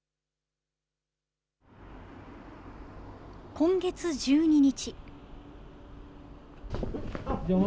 今月１２日。